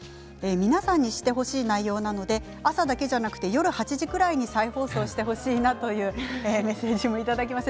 皆さんに知ってほしい内容なので夜８時ぐらいに再放送してほしいなというメッセージをいただきました。